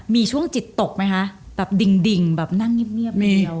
มีช่วงจิตตกไหมคะแบบดิ่งแบบนั่งเงียบนิดเดียว